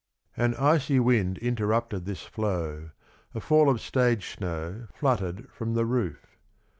An icy wind interrupted this flow, a fall of stage snow fluttered from the roof.